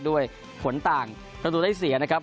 ด้วยผลต่างประตูได้เสียนะครับ